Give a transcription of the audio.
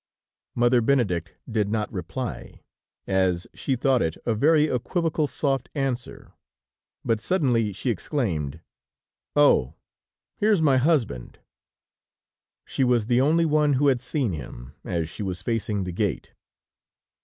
Mother Benedict did not reply, as she thought it a very equivocal soft of answer, but suddenly she exclaimed: "Oh! here is my husband!" She was the only one who had seen him, as she was facing the gate.